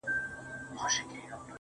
لـــكــه ښـــه اهـنـــگ